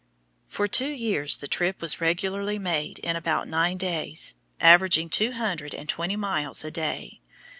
For two years the trip was regularly made in about nine days, averaging two hundred and twenty miles a day.